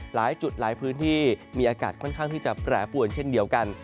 หลายจุดหลายพื้นที่มีอากาศค่อนข้างที่จะแปรปวนเช่นเดียวกัน